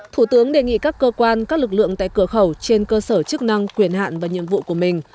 thủ tướng đề nghị các cơ quan các lực lượng tại cửa khẩu trên cơ sở chức năng quyền hạn và nhiệm vụ của mình